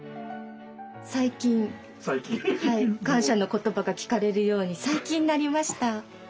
最近感謝の言葉が聞かれるように最近なりました。